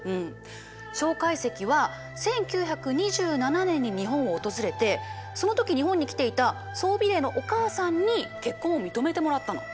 介石は１９２７年に日本を訪れてその時日本に来ていた宋美齢のお母さんに結婚を認めてもらったの。